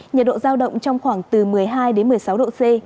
nhật độ giao động trong khoảng từ một mươi hai một mươi sáu độ c